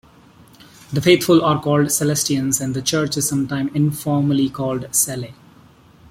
The faithful are called "Celestians", and the church is sometimes informally called "Cele".